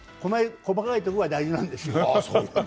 細かいところが大事なんですよ。